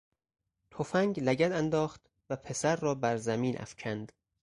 تفنگ لگد انداخت و پسر را بر زمین افکند.